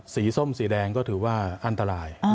ส้มสีแดงก็ถือว่าอันตราย